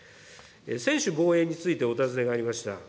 専守防衛についてお尋ねがありました。